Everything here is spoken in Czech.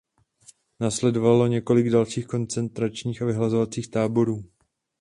Následovalo několik dalších koncentračních a vyhlazovacích táborů.